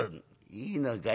「いいのかよ